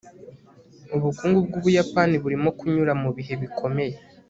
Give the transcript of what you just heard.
Ubukungu bwUbuyapani burimo kunyura mubihe bikomeye